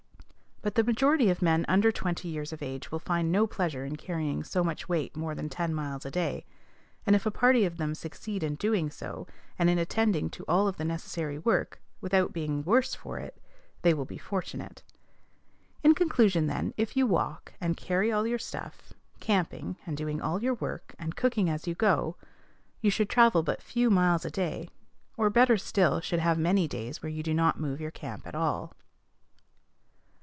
But the majority of men under twenty years of age will find no pleasure in carrying so much weight more than ten miles a day; and if a party of them succeed in doing so, and in attending to all of the necessary work, without being worse for it, they will be fortunate. In conclusion, then, if you walk, and carry all your stuff, camping, and doing all your work, and cooking as you go, you should travel but few miles a day, or, better still, should have many days when you do not move your camp at all.